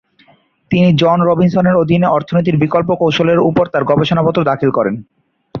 তিনি জন রবিনসনের অধীনে অর্থনীতির বিকল্প কৌশলের উপর তার গবেষণাপত্র দাখিল করেন।